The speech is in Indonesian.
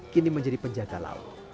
kini menjadi penjaga laut